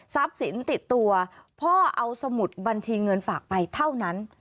สินติดตัวพ่อเอาสมุดบัญชีเงินฝากไปเท่านั้น